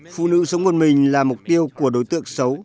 phụ nữ sống một mình là mục tiêu của đối tượng xấu